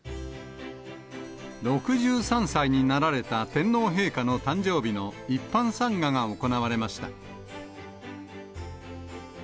６３歳になられた天皇陛下の誕生日の一般参賀が行われました。